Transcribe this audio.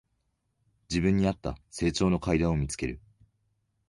自分にあった成長の階段を見つける